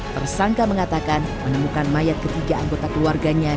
tersangka mengatakan menemukan mayat ketiga anggota keluarganya